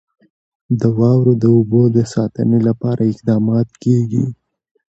د واورو د اوبو د ساتنې لپاره اقدامات کېږي.